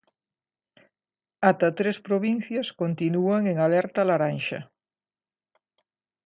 Ata tres provincias continúan en alerta laranxa.